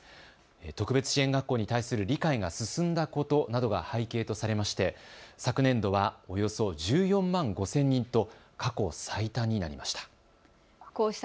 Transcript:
特別支援学校に対する理解が進んだことなどが背景とされまして昨年度はおよそ１４万５０００人と過去最多になりました。